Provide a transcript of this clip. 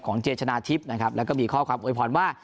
เจชนะทิพย์นะครับแล้วก็มีข้อความโวยพรว่า